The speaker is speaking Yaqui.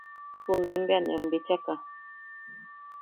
Junuen, be ne am bichaka.